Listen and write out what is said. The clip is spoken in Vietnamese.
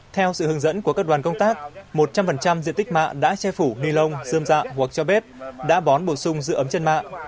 theo sự hướng dẫn của các đoàn công tác một trăm linh diện tích mạ đã che phủ ni lông dơm dạ hoặc cho bếp đã bón bổ sung dự ấm chân mạ